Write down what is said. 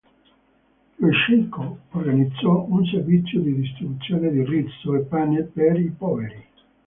Lo sceicco organizzò un servizio di distribuzione di riso e pane per i poveri.